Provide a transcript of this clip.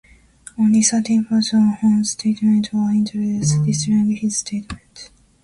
Only certain parts of Horn's statement were introduced, distorting his statement.